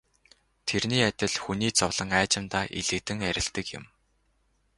Тэрний адил хүний зовлон аажимдаа элэгдэн арилдаг юм.